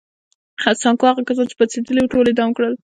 سانکو هغه کسان چې پاڅېدلي وو ټول اعدام کړل.